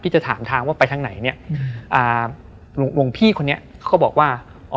จะถามทางว่าไปทางไหนเนี่ยอ่าหลวงพี่คนนี้เขาก็บอกว่าอ๋อ